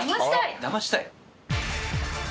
だましたい。